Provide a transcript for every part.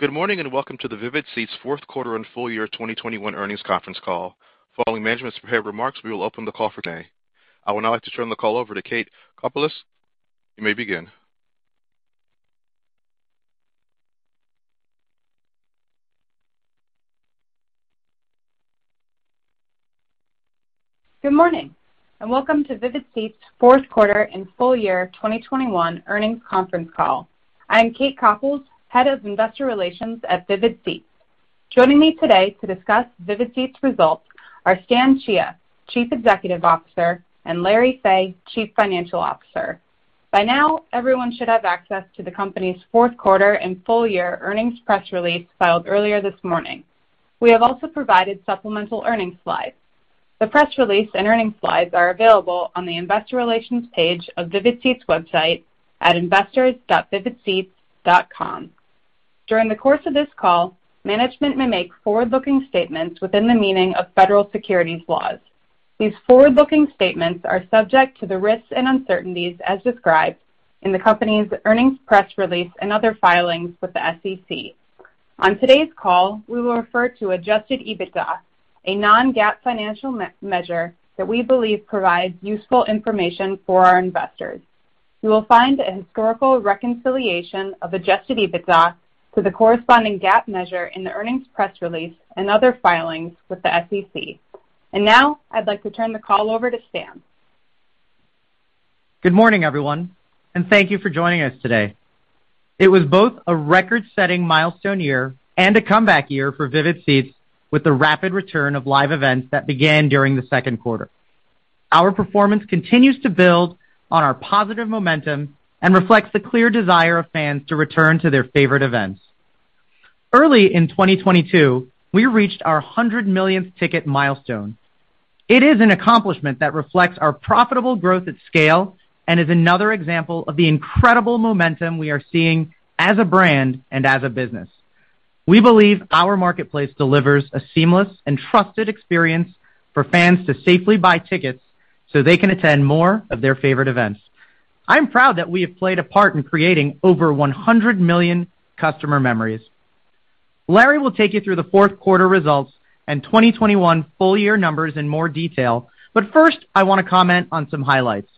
Good morning, and welcome to the Vivid Seats fourth quarter and full year 2021 earnings conference call. Following management's prepared remarks, we will open the call for today. I would now like to turn the call over to Kate Africk. You may begin. Good morning, and welcome to Vivid Seats fourth quarter and full year 2021 earnings conference call. I am Kate Africk, Head of Investor Relations at Vivid Seats. Joining me today to discuss Vivid Seats results are Stan Chia, Chief Executive Officer, and Larry Fey, Chief Financial Officer. By now, everyone should have access to the company's fourth quarter and full year earnings press release filed earlier this morning. We have also provided supplemental earnings slides. The press release and earnings slides are available on the Investor Relations page of Vivid Seats' website at investors.vividseats.com. During the course of this call, management may make forward-looking statements within the meaning of federal securities laws. These forward-looking statements are subject to the risks and uncertainties as described in the company's earnings press release and other filings with the SEC. On today's call, we will refer to adjusted EBITDA, a non-GAAP financial measure that we believe provides useful information for our investors. You will find a historical reconciliation of adjusted EBITDA to the corresponding GAAP measure in the earnings press release and other filings with the SEC. Now, I'd like to turn the call over to Stan. Good morning, everyone, and thank you for joining us today. It was both a record-setting milestone year and a comeback year for Vivid Seats with the rapid return of live events that began during the second quarter. Our performance continues to build on our positive momentum and reflects the clear desire of fans to return to their favorite events. Early in 2022, we reached our 100-millionth ticket milestone. It is an accomplishment that reflects our profitable growth at scale and is another example of the incredible momentum we are seeing as a brand and as a business. We believe our marketplace delivers a seamless and trusted experience for fans to safely buy tickets so they can attend more of their favorite events. I'm proud that we have played a part in creating over 100 million customer memories. Larry will take you through the fourth quarter results and 2021 full year numbers in more detail. First, I want to comment on some highlights.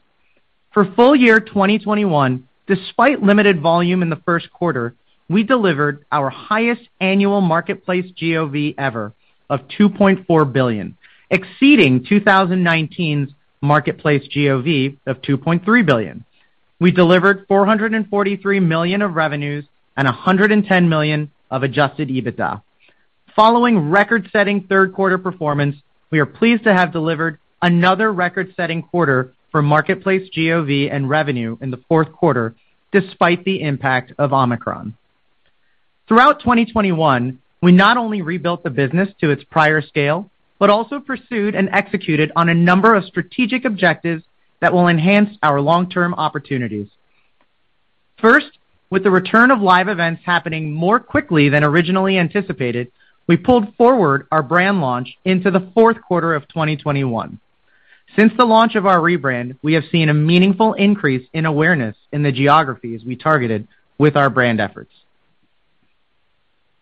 For full year 2021, despite limited volume in the first quarter, we delivered our highest annual Marketplace GOV ever of $2.4 billion, exceeding 2019's Marketplace GOV of $2.3 billion. We delivered $443 million of revenues and $110 million of adjusted EBITDA. Following record-setting third quarter performance, we are pleased to have delivered another record-setting quarter for Marketplace GOV and revenue in the fourth quarter, despite the impact of Omicron. Throughout 2021, we not only rebuilt the business to its prior scale, but also pursued and executed on a number of strategic objectives that will enhance our long-term opportunities. First, with the return of live events happening more quickly than originally anticipated, we pulled forward our brand launch into the fourth quarter of 2021. Since the launch of our rebrand, we have seen a meaningful increase in awareness in the geographies we targeted with our brand efforts.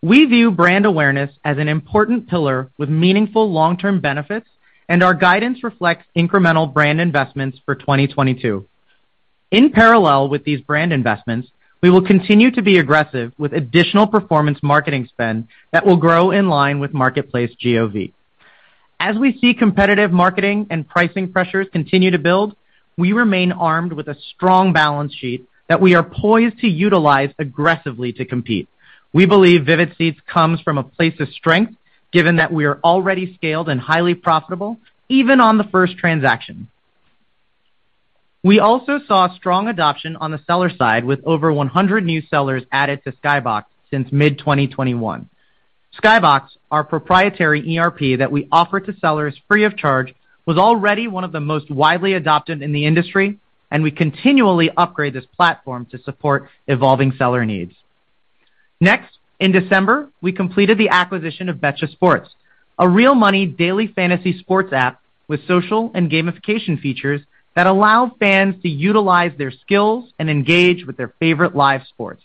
We view brand awareness as an important pillar with meaningful long-term benefits, and our guidance reflects incremental brand investments for 2022. In parallel with these brand investments, we will continue to be aggressive with additional performance marketing spend that will grow in line with Marketplace GOV. As we see competitive marketing and pricing pressures continue to build, we remain armed with a strong balance sheet that we are poised to utilize aggressively to compete. We believe Vivid Seats comes from a place of strength, given that we are already scaled and highly profitable, even on the first transaction. We also saw strong adoption on the seller side with over 100 new sellers added to SkyBox since mid-2021. SkyBox, our proprietary ERP that we offer to sellers free of charge, was already one of the most widely adopted in the industry, and we continually upgrade this platform to support evolving seller needs. Next, in December, we completed the acquisition of Betcha Sports, a real-money daily fantasy sports app with social and gamification features that allow fans to utilize their skills and engage with their favorite live sports.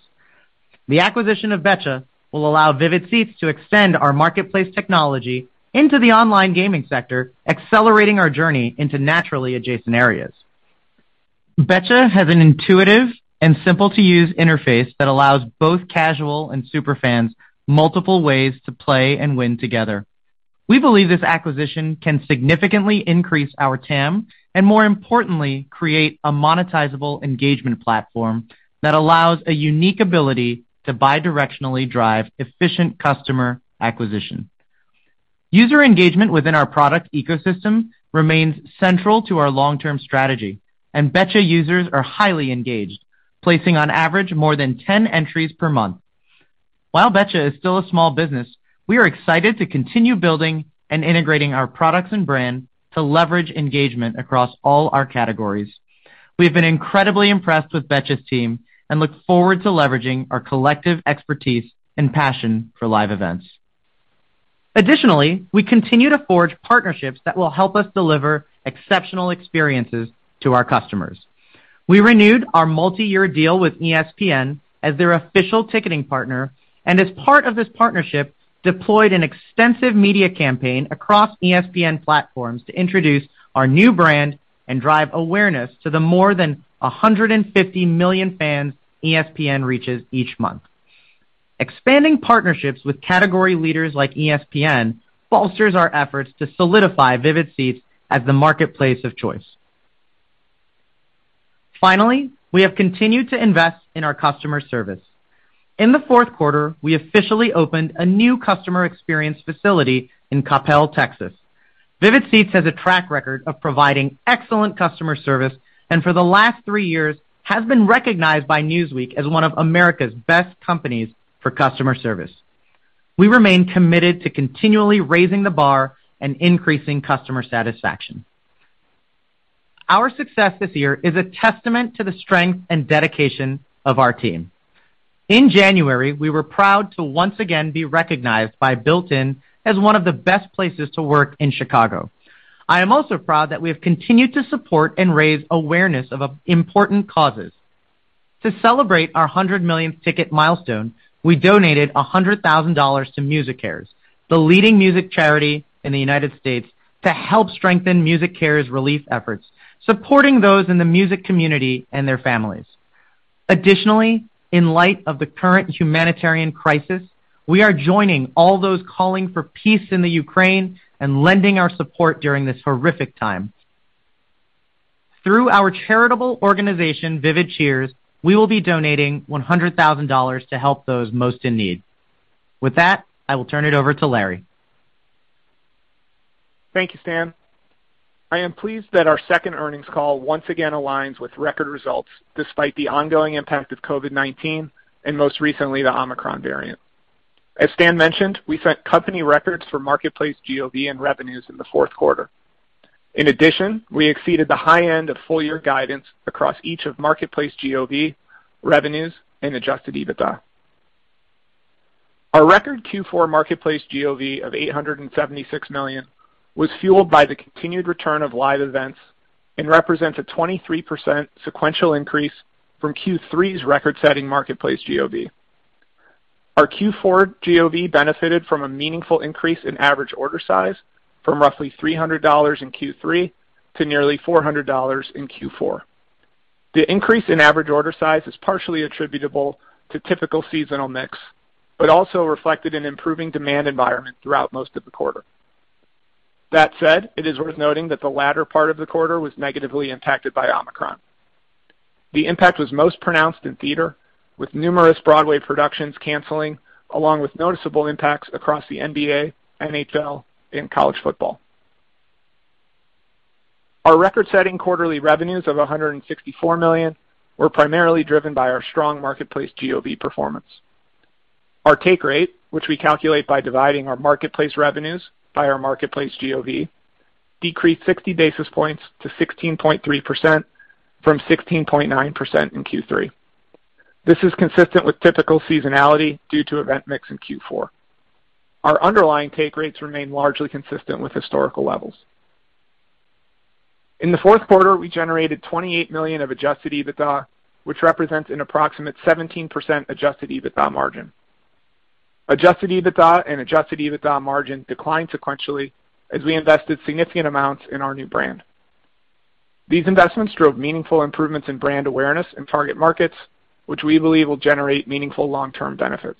The acquisition of Betcha will allow Vivid Seats to extend our marketplace technology into the online gaming sector, accelerating our journey into naturally adjacent areas. Betcha has an intuitive and simple to use interface that allows both casual and super fans multiple ways to play and win together. We believe this acquisition can significantly increase our TAM, and more importantly, create a monetizable engagement platform that allows a unique ability to bidirectionally drive efficient customer acquisition. User engagement within our product ecosystem remains central to our long-term strategy, and Betcha users are highly engaged, placing on average more than 10 entries per month. While Betcha is still a small business, we are excited to continue building and integrating our products and brand to leverage engagement across all our categories. We have been incredibly impressed with Betcha's team and look forward to leveraging our collective expertise and passion for live events. Additionally, we continue to forge partnerships that will help us deliver exceptional experiences to our customers. We renewed our multi-year deal with ESPN as their official ticketing partner, and as part of this partnership, deployed an extensive media campaign across ESPN platforms to introduce our new brand and drive awareness to the more than 150 million fans ESPN reaches each month. Expanding partnerships with category leaders like ESPN bolsters our efforts to solidify Vivid Seats as the marketplace of choice. Finally, we have continued to invest in our customer service. In the fourth quarter, we officially opened a new customer experience facility in Coppell, Texas. Vivid Seats has a track record of providing excellent customer service, and for the last three years has been recognized by Newsweek as one of America's Best Companies for Customer Service. We remain committed to continually raising the bar and increasing customer satisfaction. Our success this year is a testament to the strength and dedication of our team. In January, we were proud to once again be recognized by Built In as one of the best places to work in Chicago. I am also proud that we have continued to support and raise awareness of important causes. To celebrate our 100-millionth ticket milestone, we donated $100,000 to MusiCares, the leading music charity in the United States, to help strengthen MusiCares' relief efforts, supporting those in the music community and their families. Additionally, in light of the current humanitarian crisis, we are joining all those calling for peace in the Ukraine and lending our support during this horrific time. Through our charitable organization, Vivid Cheers, we will be donating $100,000 to help those most in need. With that, I will turn it over to Larry. Thank you, Stan. I am pleased that our second earnings call once again aligns with record results despite the ongoing impact of COVID-19 and most recently, the Omicron variant. As Stan mentioned, we set company records for Marketplace GOV and revenues in the fourth quarter. In addition, we exceeded the high end of full year guidance across each of Marketplace GOV, revenues, and adjusted EBITDA. Our record Q4 Marketplace GOV of $876 million was fueled by the continued return of live events and represents a 23% sequential increase from Q3's record-setting Marketplace GOV. Our Q4 GOV benefited from a meaningful increase in average order size from roughly $300 in Q3 to nearly $400 in Q4. The increase in average order size is partially attributable to typical seasonal mix, but also reflected an improving demand environment throughout most of the quarter. That said, it is worth noting that the latter part of the quarter was negatively impacted by Omicron. The impact was most pronounced in theater, with numerous Broadway productions canceling, along with noticeable impacts across the NBA, NHL, and college football. Our record-setting quarterly revenues of $164 million were primarily driven by our strong Marketplace GOV performance. Our take rate, which we calculate by dividing our marketplace revenues by our Marketplace GOV, decreased 60 basis points to 16.3% from 16.9% in Q3. This is consistent with typical seasonality due to event mix in Q4. Our underlying take rates remain largely consistent with historical levels. In the fourth quarter, we generated $28 million of adjusted EBITDA, which represents an approximate 17% adjusted EBITDA margin. Adjusted EBITDA and adjusted EBITDA margin declined sequentially as we invested significant amounts in our new brand. These investments drove meaningful improvements in brand awareness in target markets which we believe will generate meaningful long-term benefits.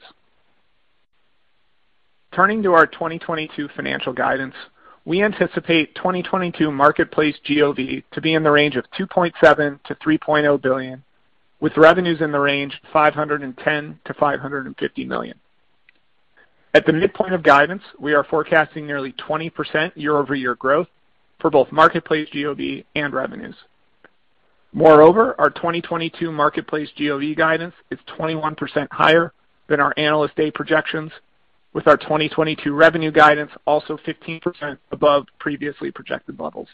Turning to our 2022 financial guidance, we anticipate 2022 Marketplace GOV to be in the range of $2.7 billion-$3.0 billion, with revenues in the range $510 million-$550 million. At the midpoint of guidance, we are forecasting nearly 20% year-over-year growth for both Marketplace GOV and revenues. Moreover, our 2022 Marketplace GOV guidance is 21% higher than our Analyst Day projections, with our 2022 revenue guidance also 15% above previously projected levels.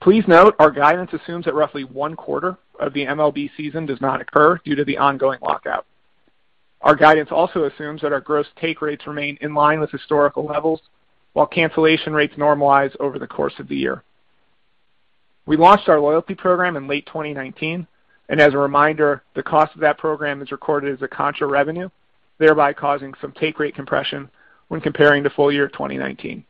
Please note our guidance assumes that roughly one quarter of the MLB season does not occur due to the ongoing lockout. Our guidance also assumes that our gross take rates remain in line with historical levels while cancellation rates normalize over the course of the year. We launched our loyalty program in late 2019, and as a reminder, the cost of that program is recorded as a contra revenue, thereby causing some take rate compression when comparing to full year 2019.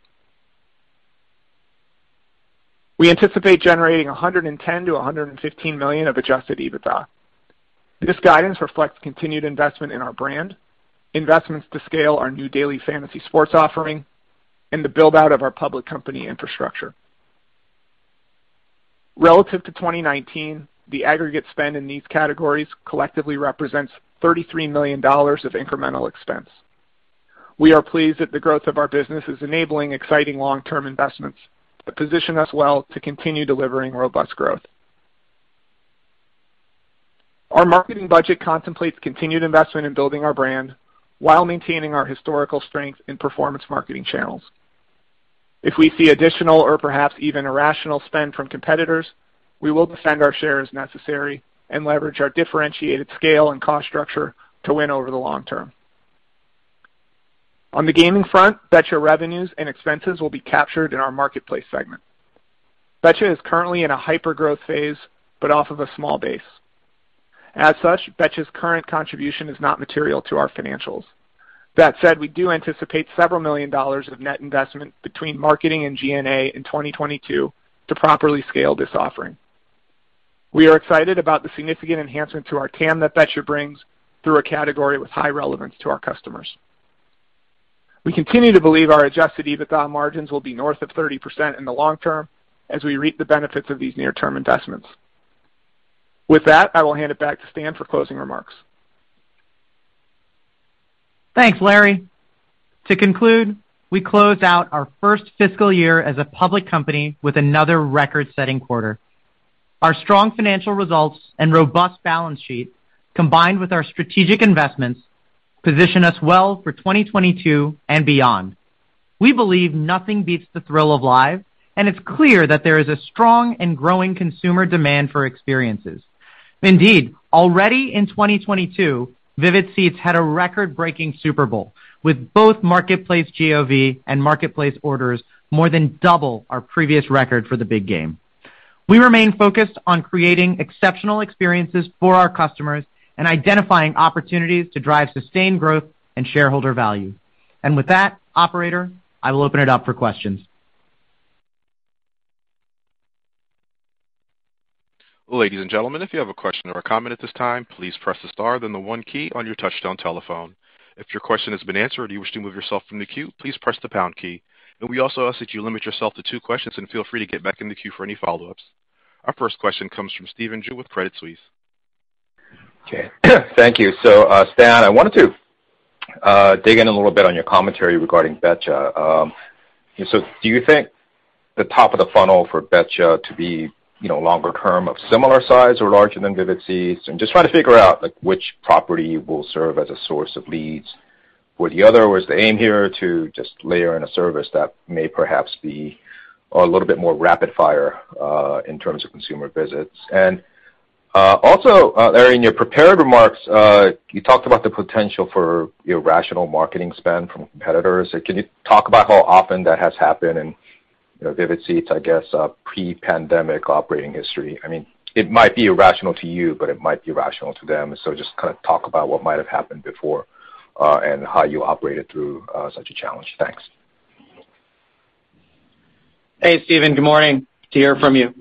We anticipate generating $110 million-$115 million of adjusted EBITDA. This guidance reflects continued investment in our brand, investments to scale our new daily fantasy sports offering, and the build-out of our public company infrastructure. Relative to 2019, the aggregate spend in these categories collectively represents $33 million of incremental expense. We are pleased that the growth of our business is enabling exciting long-term investments that position us well to continue delivering robust growth. Our marketing budget contemplates continued investment in building our brand while maintaining our historical strength in performance marketing channels. If we see additional or perhaps even irrational spend from competitors, we will defend our share as necessary and leverage our differentiated scale and cost structure to win over the long term. On the gaming front, Betcha revenues and expenses will be captured in our marketplace segment. Betcha is currently in a hyper-growth phase, but off of a small base. As such, Betcha's current contribution is not material to our financials. That said, we do anticipate several million of net investment between marketing and G&A in 2022 to properly scale this offering. We are excited about the significant enhancement to our TAM that Betcha brings through a category with high relevance to our customers. We continue to believe our adjusted EBITDA margins will be north of 30% in the long term as we reap the benefits of these near-term investments. With that, I will hand it back to Stan for closing remarks. Thanks, Larry. To conclude, we close out our first fiscal year as a public company with another record-setting quarter. Our strong financial results and robust balance sheet, combined with our strategic investments, position us well for 2022 and beyond. We believe nothing beats the thrill of live, and it's clear that there is a strong and growing consumer demand for experiences. Indeed, already in 2022, Vivid Seats had a record-breaking Super Bowl, with both Marketplace GOV and Marketplace orders more than double our previous record for the big game. We remain focused on creating exceptional experiences for our customers and identifying opportunities to drive sustained growth and shareholder value. With that, operator, I will open it up for questions. Ladies and gentlemen, if you have a question or a comment at this time, please press the star, then the one key on your touch-tone telephone. If your question has been answered or if you wish to remove yourself from the queue, please press the pound key. We also ask that you limit yourself to two questions, and feel free to get back in the queue for any follow-ups. Our first question comes from Stephen Ju with Credit Suisse. Okay. Thank you. Stan, I wanted to dig in a little bit on your commentary regarding Betcha. Do you think the top of the funnel for Betcha to be, you know, longer term of similar size or larger than Vivid Seats? I'm just trying to figure out, like, which property will serve as a source of leads for the other. Was the aim here to just layer in a service that may perhaps be a little bit more rapid-fire in terms of consumer visits? Also, Larry, in your prepared remarks, you talked about the potential for irrational marketing spend from competitors. Can you talk about how often that has happened in, you know, Vivid Seats', I guess, pre-pandemic operating history? I mean, it might be irrational to you, but it might be rational to them. Just kind of talk about what might have happened before, and how you operated through such a challenge. Thanks. Hey, Stephen. Good morning. Good to hear from you.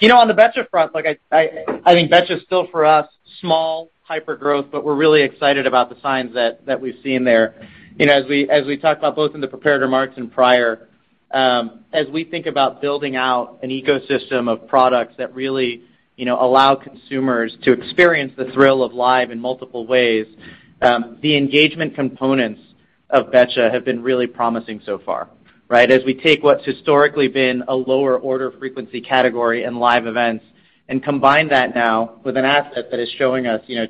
You know, on the Betcha front, like I think Betcha is still, for us, small hypergrowth, but we're really excited about the signs that we've seen there. You know, as we talked about both in the prepared remarks and prior, as we think about building out an ecosystem of products that really, you know, allow consumers to experience the thrill of live in multiple ways, the engagement components of Betcha have been really promising so far, right? As we take what's historically been a lower order frequency category in live events and combine that now with an asset that is showing us, you know,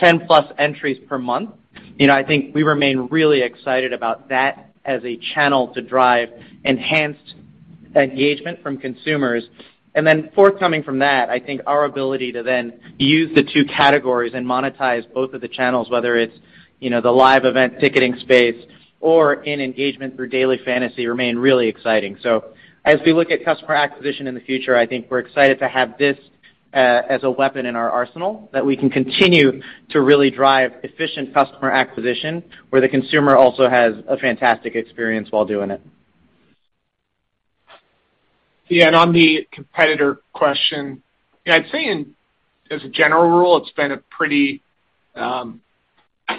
10-plus entries per month, you know, I think we remain really excited about that as a channel to drive enhanced engagement from consumers. Following from that, I think our ability to then use the two categories and monetize both of the channels, whether it's, you know, the live event ticketing space or in engagement through daily fantasy, remain really exciting. As we look at customer acquisition in the future, I think we're excited to have this, as a weapon in our arsenal that we can continue to really drive efficient customer acquisition, where the consumer also has a fantastic experience while doing it. I'd say as a general rule, it's been a pretty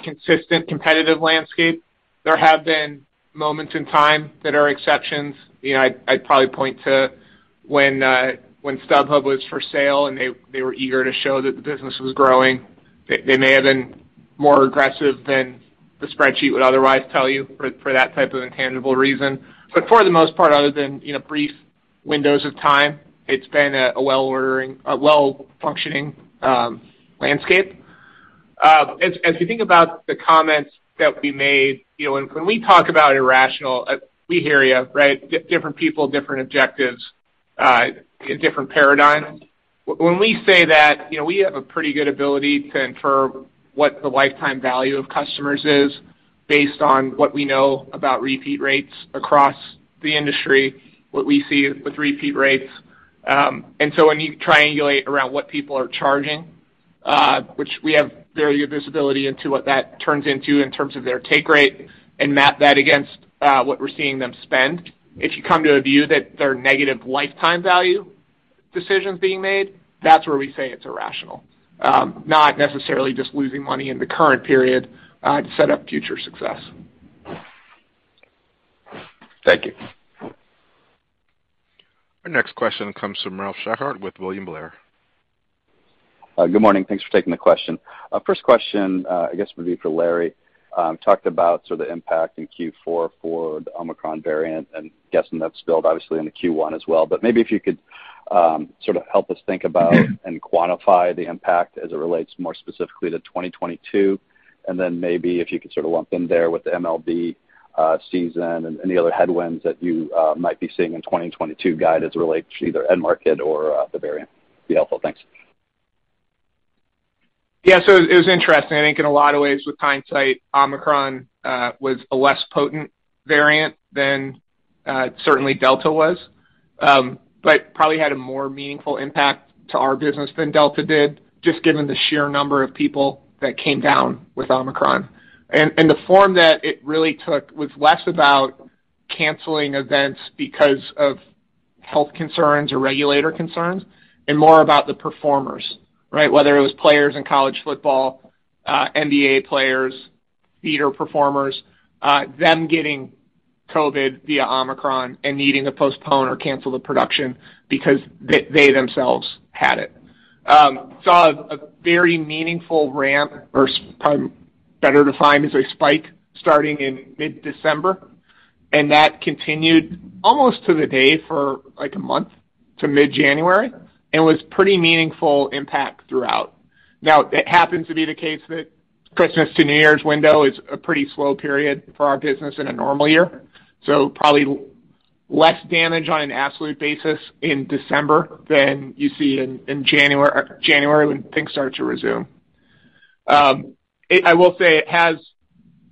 consistent competitive landscape. There have been moments in time that are exceptions. I'd probably point to when StubHub was for sale, and they were eager to show that the business was growing. They may have been more aggressive than the spreadsheet would otherwise tell you for that type of intangible reason. For the most part, other than brief windows of time, it's been a well-functioning landscape. As you think about the comments that we made, and when we talk about irrational, we hear you, right? Different people, different objectives, different paradigms. When we say that, you know, we have a pretty good ability to infer what the lifetime value of customers is based on what we know about repeat rates across the industry, what we see with repeat rates. When you triangulate around what people are charging, which we have very good visibility into what that turns into in terms of their take rate and map that against, what we're seeing them spend, if you come to a view that there are negative lifetime value decisions being made, that's where we say it's irrational, not necessarily just losing money in the current period to set up future success. Thank you. Our next question comes from Ralph Schackart with William Blair. Good morning. Thanks for taking the question. First question, I guess would be for Larry. Talked about sort of the impact in Q4 for the Omicron variant, and guessing that spilled obviously into Q1 as well. Maybe if you could sort of help us think about and quantify the impact as it relates more specifically to 2022. Then maybe if you could sort of lump in there with the MLB season and any other headwinds that you might be seeing in 2022 guide as it relates to either end market or the variant. Be helpful. Thanks. Yeah. It was interesting. I think in a lot of ways with hindsight, Omicron was a less potent variant than certainly Delta was, but probably had a more meaningful impact to our business than Delta did, just given the sheer number of people that came down with Omicron. The form that it really took was less about canceling events because of health concerns or regulatorY concerns and more about the performers, right? Whether it was players in college football, NBA players, theater performers, them getting COVID via Omicron and needing to postpone or cancel the production because they themselves had it. Saw a very meaningful ramp, or probably better defined as a spike, starting in mid-December, and that continued almost to the day for, like, a month to mid-January, and was pretty meaningful impact throughout. Now, it happens to be the case that Christmas to New Year's window is a pretty slow period for our business in a normal year, so probably less damage on an absolute basis in December than you see in January when things start to resume. I will say it has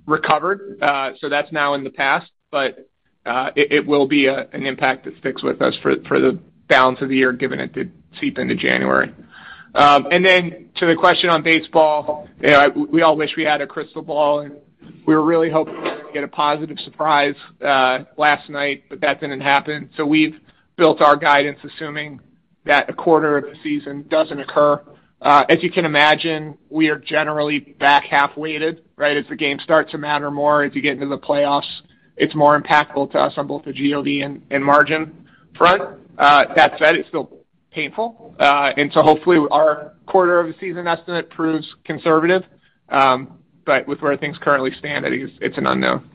recovered, so that's now in the past, but it will be an impact that sticks with us for the balance of the year, given it did seep into January. To the question on baseball, you know, we all wish we had a crystal ball, and we were really hoping to get a positive surprise last night, but that didn't happen. We've built our guidance assuming that a quarter of the season doesn't occur. As you can imagine, we are generally back half-weighted, right? As the game starts to matter more, as you get into the playoffs, it's more impactful to us on both the GOV and margin front. That said, it's still painful. Hopefully our quarter of the season estimate proves conservative, but with where things currently stand, I think it's an unknown.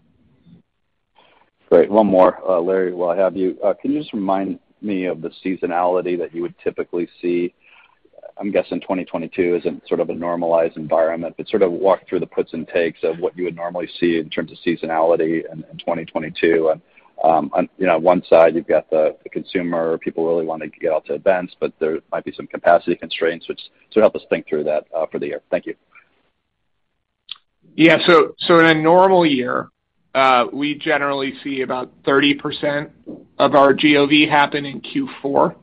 Great. One more, Larry, while I have you. Can you just remind me of the seasonality that you would typically see? I'm guessing 2022 is in sort of a normalized environment, but sort of walk through the puts and takes of what you would normally see in terms of seasonality in 2022. On, you know, one side you've got the consumer, people really wanting to get out to events, but there might be some capacity constraints, so help us think through that for the year. Thank you. In a normal year, we generally see about 30% of our GOV happen in Q4,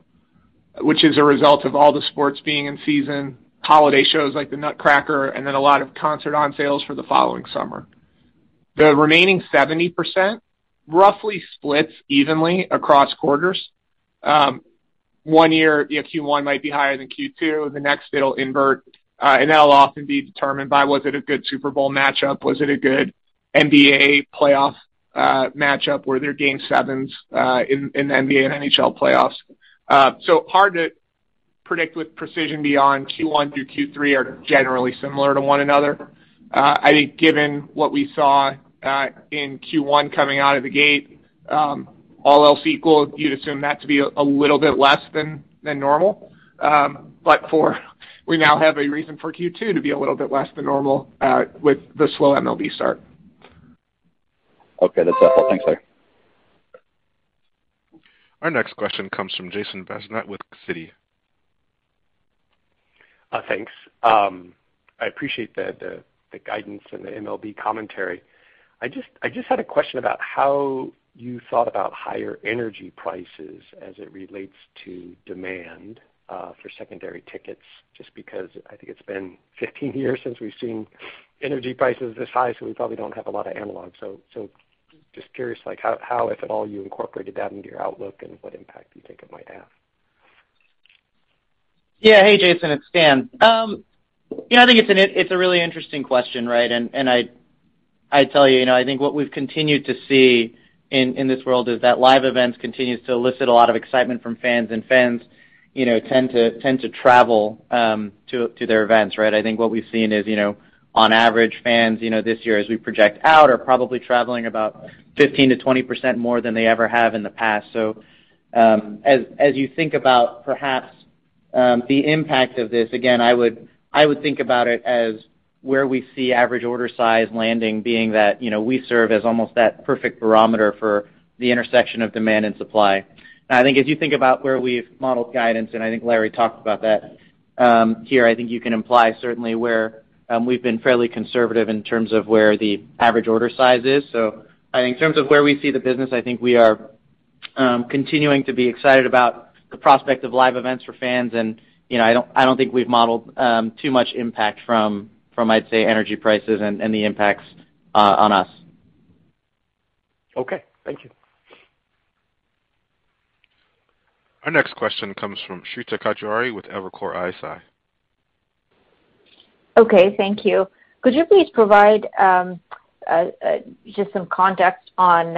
which is a result of all the sports being in season, holiday shows like The Nutcracker, and then a lot of concert on-sales for the following summer. The remaining 70% roughly splits evenly across quarters. One year, you know, Q1 might be higher than Q2. The next it'll invert. That'll often be determined by was it a good Super Bowl matchup? Was it a good NBA playoff matchup? Were there Game 7s in NBA and NHL playoffs? Hard to predict with precision beyond Q1 through Q3 are generally similar to one another. I think given what we saw in Q1 coming out of the gate, all else equal, you'd assume that to be a little bit less than normal. We now have a reason for Q2 to be a little bit less than normal with the slow MLB start. Okay, that's helpful. Thanks, Larry. Our next question comes from Jason Bazinet with Citi. Thanks. I appreciate the guidance and the MLB commentary. I just had a question about how you thought about higher energy prices as it relates to demand for secondary tickets, just because I think it's been 15 years since we've seen energy prices this high, so we probably don't have a lot of analogs. Just curious, like how, if at all, you incorporated that into your outlook and what impact you think it might have. Hey, Jason, it's Stan. I think it's a really interesting question, right? I tell you, I think what we've continued to see in this world is that live events continues to elicit a lot of excitement from fans, and fans, you know, tend to travel to their events, right? I think what we've seen is, you know, on average, fans, you know, this year as we project out, are probably traveling about 15%-20% more than they ever have in the past. As you think about perhaps the impact of this, again, I would think about it as where we see average order size landing being that, you know, we serve as almost that perfect barometer for the intersection of demand and supply. I think if you think about where we've modeled guidance, and I think Larry talked about that, here, I think you can imply certainly where we've been fairly conservative in terms of where the average order size is. I think in terms of where we see the business, I think we are continuing to be excited about the prospect of live events for fans, and you know, I don't think we've modeled too much impact from, I'd say, energy prices and the impacts on us. Okay. Thank you. Our next question comes from Shweta Khajuria with Evercore ISI. Okay, thank you. Could you please provide just some context on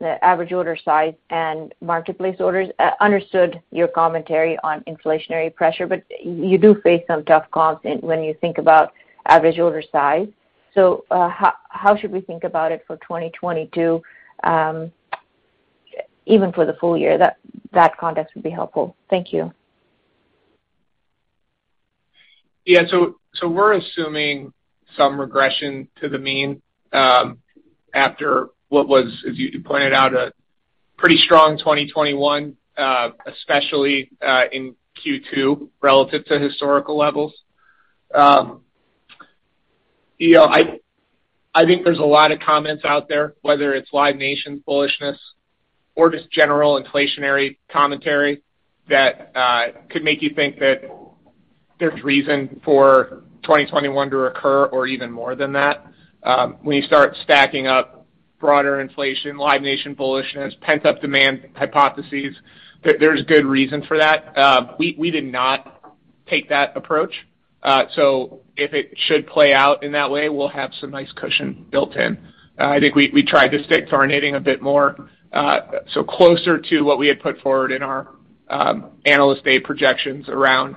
the average order size and marketplace orders? Understood your commentary on inflationary pressure, but you do face some tough comps when you think about average order size. How should we think about it for 2022, even for the full year? That context would be helpful. Thank you. Yeah. We're assuming some regression to the mean after what was, as you pointed out, a pretty strong 2021, especially in Q2 relative to historical levels. You know, I think there's a lot of comments out there, whether it's Live Nation bullishness or just general inflationary commentary that could make you think that there's reason for 2021 to recur or even more than that. When you start stacking up broader inflation, Live Nation bullishness, pent-up demand hypotheses, there's good reason for that. We did not take that approach. If it should play out in that way, we'll have some nice cushion built in. I think we tried to stick to our knitting a bit more, so closer to what we had put forward in our Analyst Day projections around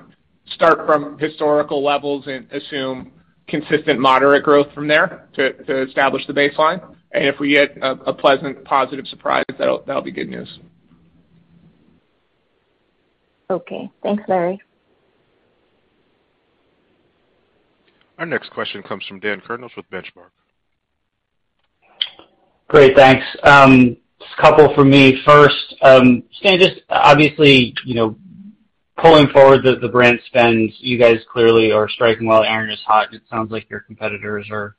start from historical levels and assume consistent moderate growth from there to establish the baseline. If we get a pleasant positive surprise, that'll be good news. Okay. Thanks, Larry. Our next question comes from Dan Kurnos with Benchmark. Great. Thanks. Just a couple from me. First, Stan, just obviously, you know, pulling forward the brand spends, you guys clearly are striking while the iron is hot, and it sounds like your competitors are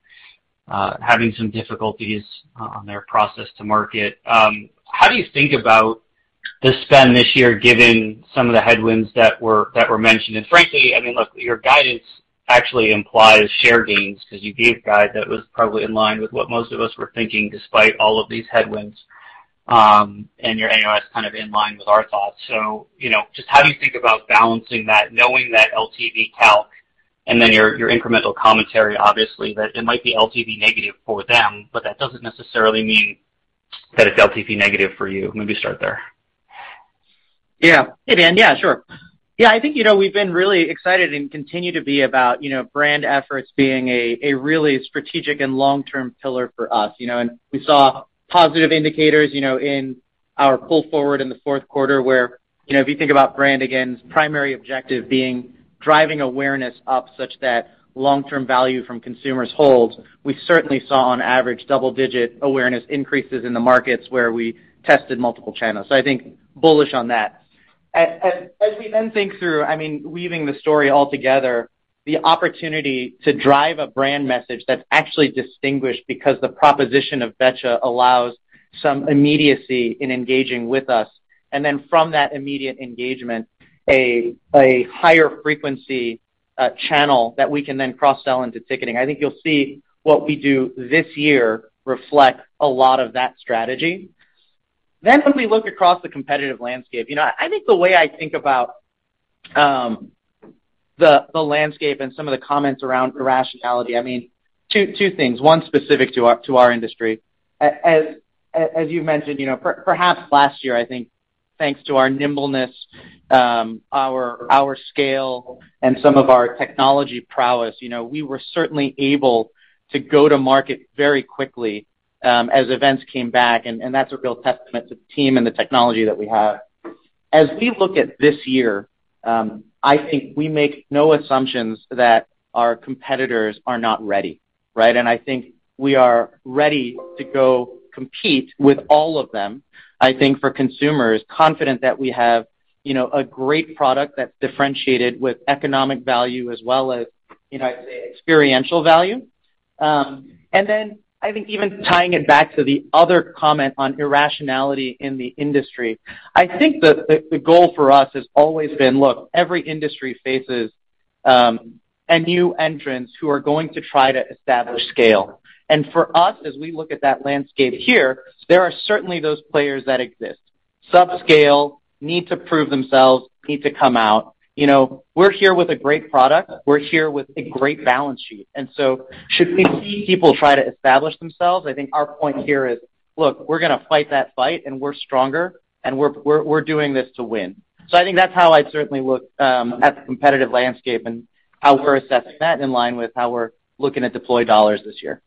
having some difficulties on their process to market. How do you think about the spend this year given some of the headwinds that were mentioned? Frankly, I mean, look, your guidance actually implies share gains because you gave guide that was probably in line with what most of us were thinking despite all of these headwinds, and your AOS kind of in line with our thoughts. you know, just how do you think about balancing that, knowing that LTV calc and then your incremental commentary, obviously, that it might be LTV negative for them, but that doesn't necessarily mean that it's LTV negative for you. Maybe start there. Yeah. Hey, Dan. Yeah, sure. Yeah, I think, you know, we've been really excited and continue to be about, you know, brand efforts being a really strategic and long-term pillar for us, you know. We saw positive indicators, you know, in our pull forward in the fourth quarter, where, you know, if you think about brand, again, primary objective being driving awareness up such that long-term value from consumers holds. We certainly saw on average double-digit awareness increases in the markets where we tested multiple channels. I think bullish on that. As we then think through, I mean, weaving the story all together, the opportunity to drive a brand message that's actually distinguished because the proposition of Betcha allows some immediacy in engaging with us. Then from that immediate engagement, a higher frequency channel that we can then cross-sell into ticketing. I think you'll see what we do this year reflect a lot of that strategy. When we look across the competitive landscape, you know, I think the way I think about the landscape and some of the comments around irrationality, I mean, two things. One specific to our industry. As you mentioned, you know, perhaps last year, I think thanks to our nimbleness, our scale and some of our technology prowess, you know, we were certainly able to go to market very quickly as events came back, and that's a real testament to the team and the technology that we have. As we look at this year, I think we make no assumptions that our competitors are not ready, right? I think we are ready to go compete with all of them. I think consumers are confident that we have, you know, a great product that's differentiated with economic value as well as, you know, I'd say experiential value. I think even tying it back to the other comment on irrationality in the industry, I think the goal for us has always been, look, every industry faces new entrants who are going to try to establish scale. For us, as we look at that landscape here, there are certainly those players that exist, sub-scale, need to prove themselves, need to come out. You know, we're here with a great product. We're here with a great balance sheet. Should we see people try to establish themselves, I think our point here is, look, we're going to fight that fight and we're stronger, and we're doing this to win. I think that's how I'd certainly look at the competitive landscape and how we're assessing that in line with how we're looking to deploy dollars this year.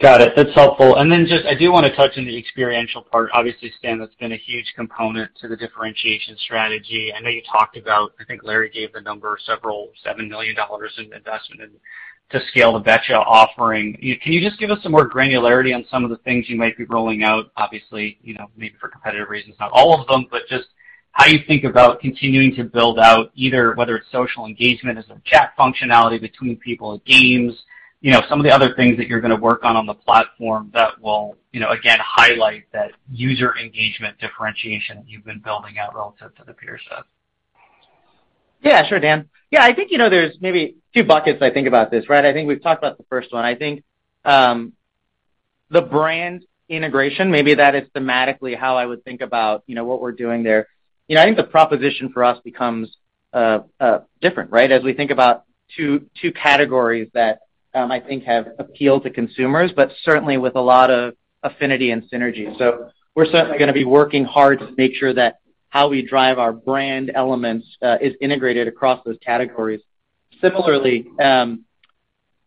Got it. That's helpful. Then just I do want to touch on the experiential part. Obviously, Stan, that's been a huge component to the differentiation strategy. I know you talked about, I think Larry gave the number $70 million in investment in to scale the Betcha offering. Can you just give us some more granularity on some of the things you might be rolling out? Obviously, you know, maybe for competitive reasons, not all of them, but just how you think about continuing to build out either whether it's social engagement as a chat functionality between people and games. You know, some of the other things that you're going to work on on the platform that will, you know, again, highlight that user engagement differentiation that you've been building out relative to the peer set. Yeah. Sure, Dan. Yeah. I think, you know, there's maybe two buckets I think about this, right? I think we've talked about the first one. I think, the brand integration, maybe that is thematically how I would think about, you know, what we're doing there. You know, I think the proposition for us becomes, different, right? As we think about two categories that, I think have appeal to consumers, but certainly with a lot of affinity and synergy. We're certainly going to be working hard to make sure that how we drive our brand elements, is integrated across those categories. Similarly,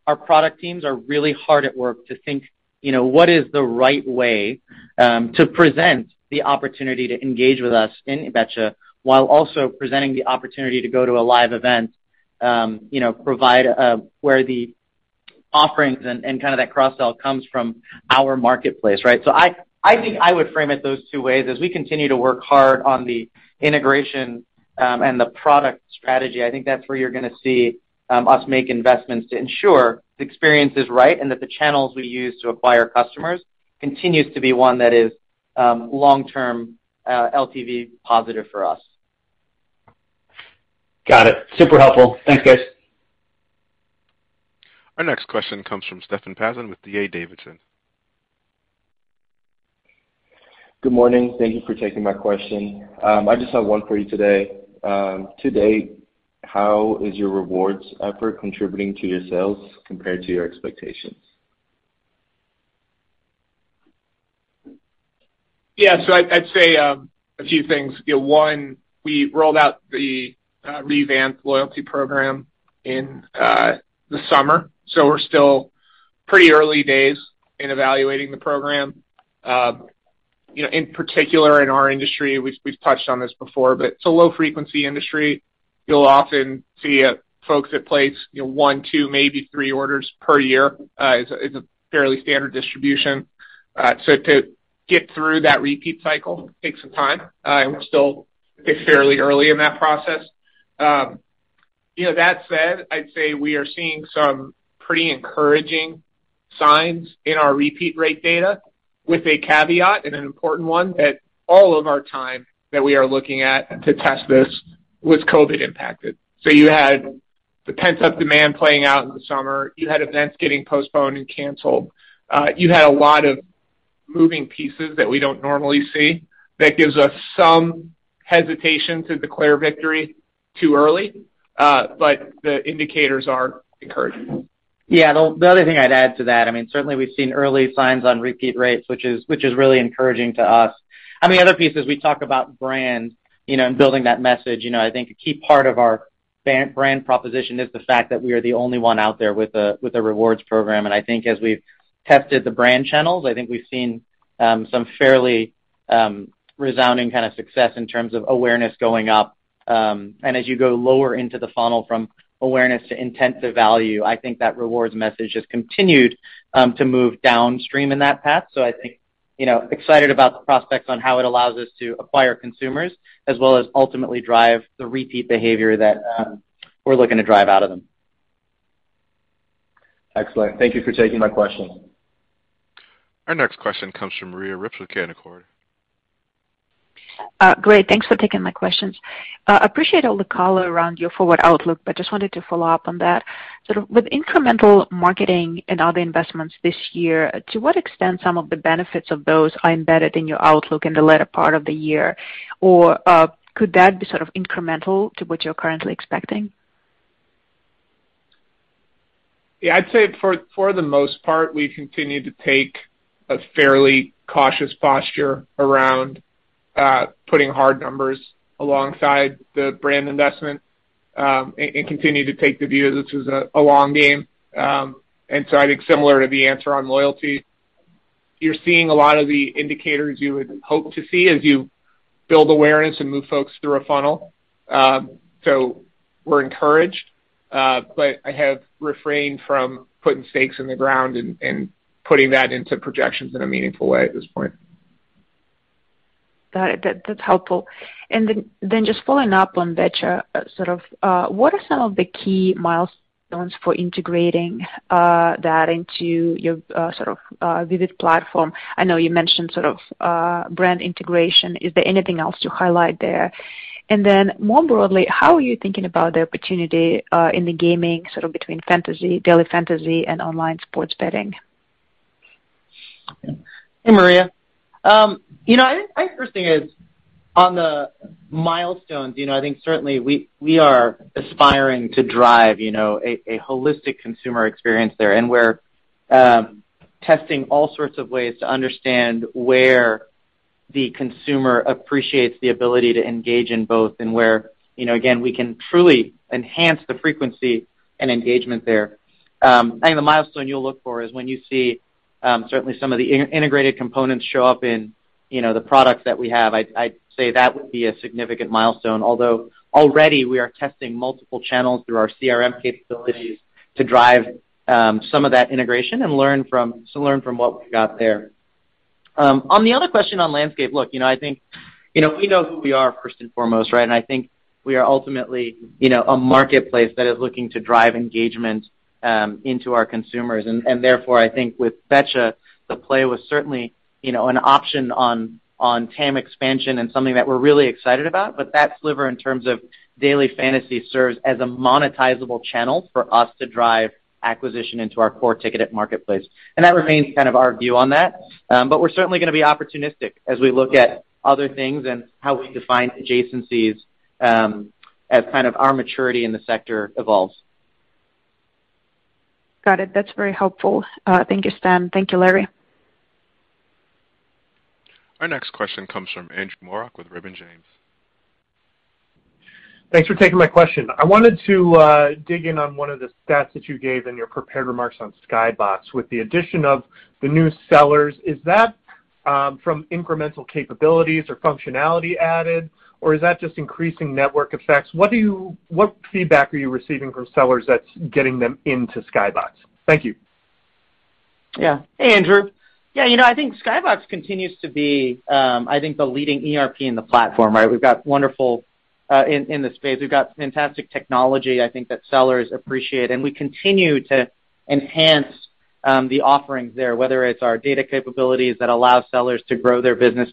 our product teams are really hard at work to think, you know, what is the right way to present the opportunity to engage with us in Betcha while also presenting the opportunity to go to a live event, you know, provide where the offerings and kind of that cross-sell comes from our marketplace, right? I think I would frame it those two ways. As we continue to work hard on the integration and the product strategy, I think that's where you're going to see us make investments to ensure the experience is right and that the channels we use to acquire customers continues to be one that is long-term LTV positive for us. Got it. Super helpful. Thanks, guys. Our next question comes from Stefan Pazin with D.A. Davidson. Good morning. Thank you for taking my question. I just have one for you today. To date, how is your rewards effort contributing to your sales compared to your expectations? I'd say a few things. You know, one, we rolled out the revamped loyalty program in the summer, so we're still pretty early days in evaluating the program. You know, in particular in our industry, we've touched on this before, but it's a low-frequency industry. You'll often see folks that place, you know, one, two, maybe three orders per year is a fairly standard distribution. To get through that repeat cycle takes some time. We're still fairly early in that process. You know, that said, I'd say we are seeing some pretty encouraging signs in our repeat rate data with a caveat, and an important one, that all of our time that we are looking at to test this was COVID impacted. You had the pent-up demand playing out in the summer. You had events getting postponed and canceled. You had a lot of moving pieces that we don't normally see that gives us some hesitation to declare victory too early. The indicators are encouraging. Yeah. The other thing I'd add to that, I mean, certainly we've seen early signs on repeat rates, which is really encouraging to us. I mean, the other piece is we talk about brand, you know, and building that message. You know, I think a key part of our brand proposition is the fact that we are the only one out there with a rewards program. I think as we've tested the brand channels, I think we've seen some fairly resounding kind of success in terms of awareness going up. As you go lower into the funnel from awareness to intent to value, I think that rewards message has continued to move downstream in that path. I think, you know, I'm excited about the prospects on how it allows us to acquire consumers as well as ultimately drive the repeat behavior that we're looking to drive out of them. Excellent. Thank you for taking my question. Our next question comes from Maria Ripps with Canaccord. Great. Thanks for taking my questions. Appreciate all the color around your forward outlook, but just wanted to follow up on that. Sort of with incremental marketing and other investments this year, to what extent some of the benefits of those are embedded in your outlook in the latter part of the year? Or, could that be sort of incremental to what you're currently expecting? Yeah, I'd say for the most part, we've continued to take a fairly cautious posture around putting hard numbers alongside the brand investment, and continue to take the view that this is a long game. I think similar to the answer on loyalty, you're seeing a lot of the indicators you would hope to see as you build awareness and move folks through a funnel. We're encouraged, but I have refrained from putting stakes in the ground and putting that into projections in a meaningful way at this point. Got it. That's helpful. Just following up on Betcha, sort of, what are some of the key milestones for integrating that into your sort of Vivid platform? I know you mentioned sort of brand integration. Is there anything else to highlight there? More broadly, how are you thinking about the opportunity in the gaming, sort of between fantasy, daily fantasy and online sports betting? Hey, Maria. You know, I think first thing is on the milestones. You know, I think certainly we are aspiring to drive a holistic consumer experience there. We're testing all sorts of ways to understand where the consumer appreciates the ability to engage in both and where, you know, again, we can truly enhance the frequency and engagement there. I think the milestone you'll look for is when you see certainly some of the integrated components show up in the products that we have. I'd say that would be a significant milestone. Although already we are testing multiple channels through our CRM capabilities to drive some of that integration and learn from what we've got there. On the other question on landscape, look, you know, I think, you know, we know who we are first and foremost, right? I think we are ultimately, you know, a marketplace that is looking to drive engagement into our consumers. Therefore, I think with Betcha, the play was certainly, you know, an option on TAM expansion and something that we're really excited about. That sliver in terms of daily fantasy serves as a monetizable channel for us to drive acquisition into our core ticketed marketplace. That remains kind of our view on that. We're certainly going to be opportunistic as we look at other things and how we define adjacencies as kind of our maturity in the sector evolves. Got it. That's very helpful. Thank you, Stan. Thank you, Larry. Our next question comes from Andrew Marok with Raymond James. Thanks for taking my question. I wanted to dig in on one of the stats that you gave in your prepared remarks on SkyBox. With the addition of the new sellers, is that from incremental capabilities or functionality added, or is that just increasing network effects? What feedback are you receiving from sellers that's getting them into SkyBox? Thank you. Yeah. Hey, Andrew. Yeah, you know, I think SkyBox continues to be the leading ERP in the platform, right? We've got wonderful inroads in the space. We've got fantastic technology, I think that sellers appreciate, and we continue to enhance the offerings there, whether it's our data capabilities that allow sellers to grow their business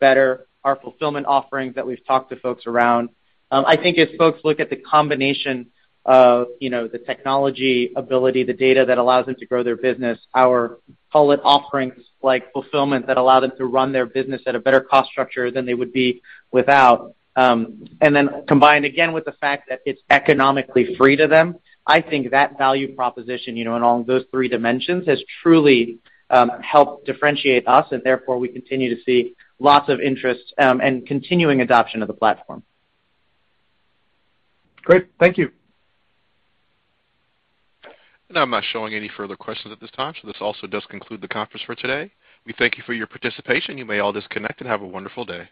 better, our fulfillment offerings that we've talked to folks around. I think as folks look at the combination of, you know, the technology ability, the data that allows them to grow their business, our value-add offerings like fulfillment that allow them to run their business at a better cost structure than they would be without, and then combined again with the fact that it's economically free to them, I think that value proposition, you know, in all those three dimensions has truly helped differentiate us, and therefore we continue to see lots of interest, and continuing adoption of the platform. Great. Thank you. I'm not showing any further questions at this time, so this also does conclude the conference for today. We thank you for your participation. You may all disconnect, and have a wonderful day.